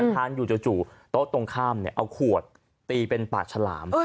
ทานอยู่จู่โต๊ะตรงข้ามเอาขวดตีเป็นปากฉลาม